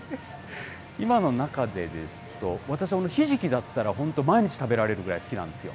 今の中でですと、私はひじきだったら、本当、毎日食べられるぐらい好きなんですよ。